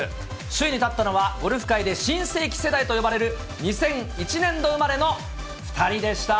首位に立ったのは、ゴルフ界で新世紀世代と呼ばれる２００１年度生まれの２人でした。